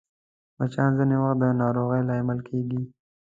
مچان ځینې وخت د ناروغۍ لامل کېږي